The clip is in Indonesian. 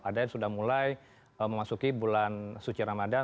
ada yang sudah mulai memasuki bulan suci ramadan